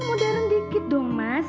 mudahin dikit dong mas